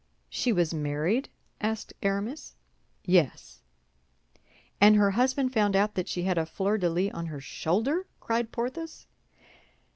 "She was married?" asked Aramis. "Yes." "And her husband found out that she had a fleur de lis on her shoulder?" cried Porthos.